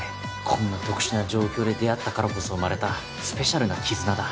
こんな特殊な状況で出会ったからこそ生まれたスペシャルな絆だ。